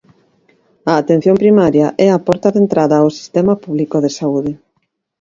A Atención Primaria é a porta de entrada ao sistema público de saúde.